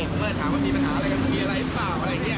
ผมก็เลยถามว่ามีปัญหาอะไรกันมีอะไรหรือเปล่าอะไรอย่างนี้